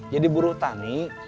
jadi buru tani